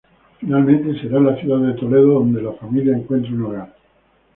Finalmente será en la ciudad de Toledo donde la familia encuentre un hogar.